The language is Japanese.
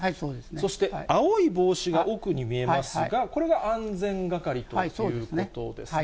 そして、青い帽子が奥に見えますが、これは安全係ということですね。